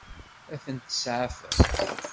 Ad tent-tseɛfem?